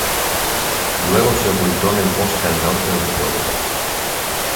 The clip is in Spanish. Luego se ocultó en el bosque al Norte del pueblo.